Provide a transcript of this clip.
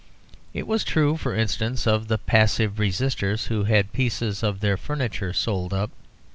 It was true, for instance, of the Passive Resisters, who had pieces of their furniture sold up.